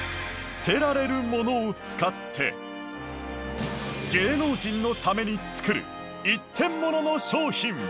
捨てられるものを使って芸能人のために作る一点物の商品！